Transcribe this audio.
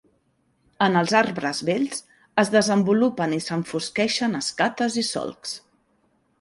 En els arbres vells es desenvolupen i s'enfosqueixen escates i solcs.